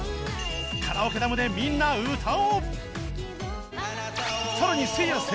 カラオケ ＤＡＭ でみんな歌おう！